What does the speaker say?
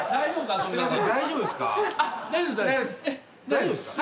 大丈夫ですか？